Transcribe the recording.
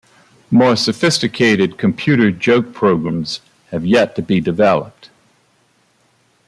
More sophisticated computer joke programs have yet to be developed.